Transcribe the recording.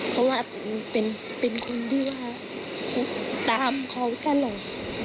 เพราะว่าเป็นคนที่ว่าตามเขาตลอด